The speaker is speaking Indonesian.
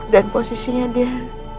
dan posisinya dia